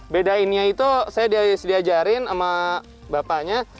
bedainnya itu saya diajarin sama bapaknya